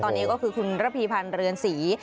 ตอนนี้ก็คือคุณระพีพันธ์เรือนศรี